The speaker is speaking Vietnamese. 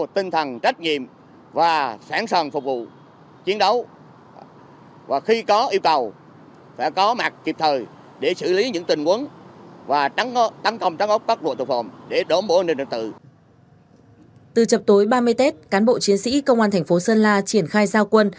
từ chập tối ba mươi tết cán bộ chiến sĩ công an tp sơn la triển khai giao quân